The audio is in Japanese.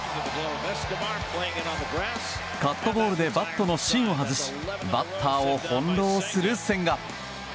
カットボールでバットの芯を外しバッターを翻弄する千賀。